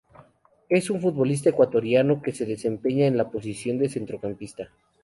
Es un futbolista ecuatoriano que se desempeña en la posición de centrocampista.